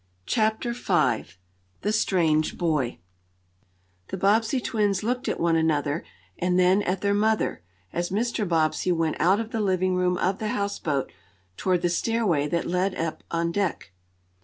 CHAPTER V THE STRANGE BOY The Bobbsey twins looked at one another, and then at their mother, as Mr. Bobbsey went out of the living room of the houseboat, toward the stairway that led up on deck.